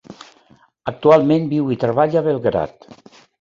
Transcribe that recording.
Actualment viu i treballa a Belgrad.